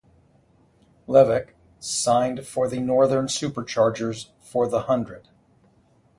Levick signed for the Northern Superchargers for The Hundred.